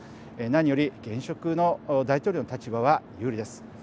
何より現職の大統領の立場は有利です。